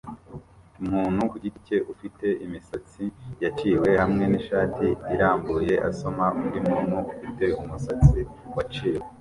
Umuntu ku giti cye ufite imisatsi yaciwe hamwe nishati irambuye asoma undi muntu ufite umusatsi waciwe